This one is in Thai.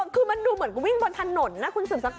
คือมันดูเหมือนกับวิ่งบนถนนนะคุณสุดสักตรง